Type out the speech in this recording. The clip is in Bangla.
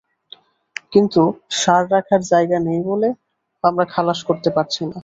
কিন্তু সার রাখার জায়গা নেই বলে আমরা খালাস করতে পারছি না।